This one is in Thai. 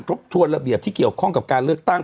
บทวนระเบียบที่เกี่ยวข้องกับการเลือกตั้ง